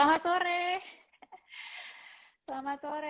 selamat sore dodo seorang lelaki